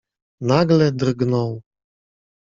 Nagle drgnął.